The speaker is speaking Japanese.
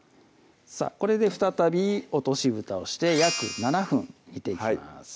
さぁこれで再び落とし蓋をして約７分煮ていきます